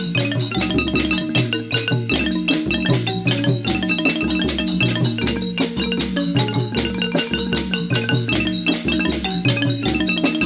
ใครร้อง